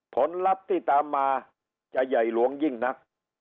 ผลลัพธ์ที่ตามมาจะใหญ่หลวงยิ่งนัก